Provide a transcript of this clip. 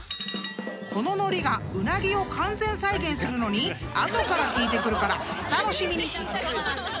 ［こののりがうなぎを完全再現するのに後から効いてくるからお楽しみに！］